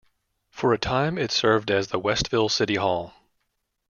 For a time it served as the Westville City Hall.